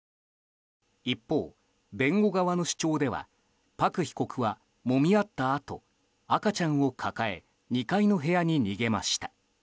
一方、弁護側の主張ではパク被告は、もみ合ったあと赤ちゃんを抱え２階の部屋に逃げました。